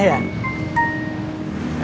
ada masalah ya